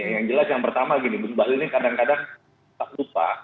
yang jelas yang pertama gini bung bali ini kadang kadang tak lupa